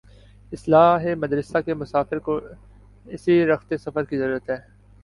اصلاح مدرسہ کے مسافر کو اسی رخت سفر کی ضرورت ہے۔